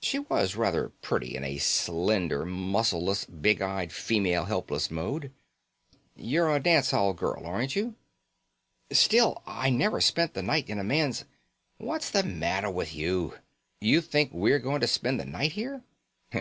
She was rather pretty in a slender, muscleless, big eyed, female helpless mode. "You're a dance hall girl, aren't you?" "Still, I never spent the night in a man's " "What's the matter with you? You think we're going to spend the night here?